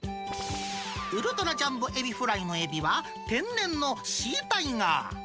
ウルトラジャンボえびフライのえびは、天然のシータイガー。